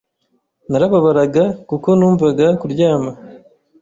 narababaraga kuko numvaga kuryama